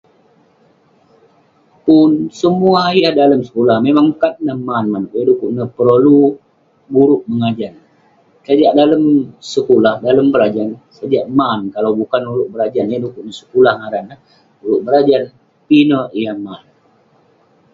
Pun, semuah yah dalem sekulah, memang kat neh man manouk. Yah dekuk neh perolu guruk mengajan. Sajak dalem sekulah, dalem berajan, sajak man kalau bukan ulouk berajan. Yah dekuk neh sekulah ngaran neh. Ulouk berajan, pinek yah man.